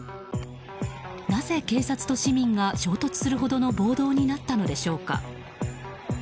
なぜ警察と市民が衝突するほどの暴動になったのでしょうか。